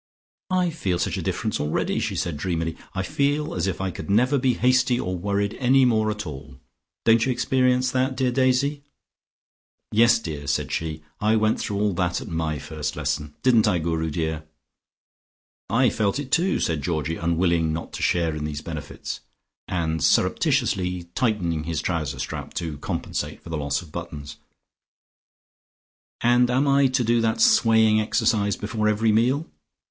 "I feel such a difference already," she said dreamily. "I feel as if I could never be hasty or worried any more at all. Don't you experience that, dear Daisy?" "Yes, dear," said she. "I went through all that at my first lesson. Didn't I, Guru dear?" "I felt it too," said Georgie, unwilling not to share in these benefits, and surreptitiously tightening his trouser strap to compensate for the loss of buttons. "And am I to do that swaying exercise before every meal?"